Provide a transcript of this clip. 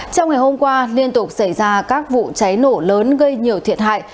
trong ngày hôm qua liên tục xảy ra các vụ cháy nổ lớn gây nhiều thiệt hại